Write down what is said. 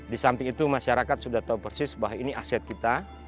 di samping itu masyarakat sudah tahu persis bahwa ini aset kita